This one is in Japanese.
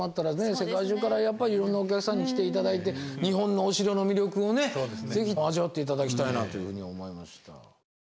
世界中からやっぱりいろんなお客様に来て頂いて日本のお城の魅力をね是非味わって頂きたいなというふうに思いました。